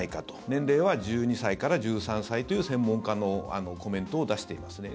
年齢は１２歳から１３歳という専門家のコメントを出していますね。